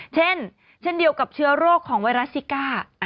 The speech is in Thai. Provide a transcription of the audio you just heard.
เช่นเช่นเดียวกับเชื้อโรคของไวรัสซิก้า